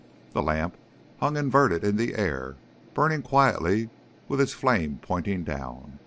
The lamp hung inverted in the air, burning quietly with its flame pointing down.